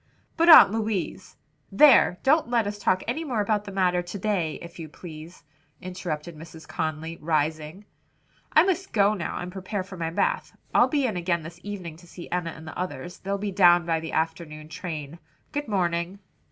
"But Aunt Louise " "There! don't let us talk any more about the matter to day, if you please," interrupted Mrs. Conly, rising, "I must go now and prepare for my bath. I'll be in again this evening to see Enna and the others. They'll be down by the afternoon train. Good morning."